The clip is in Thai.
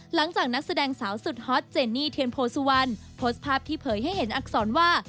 นักแสดงสาวสุดฮอตเจนี่เทียนโพสุวรรณโพสต์ภาพที่เผยให้เห็นอักษรว่า